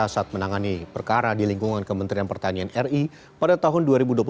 saat menangani perkara di lingkungan kementerian pertanian ri pada tahun dua ribu dua puluh satu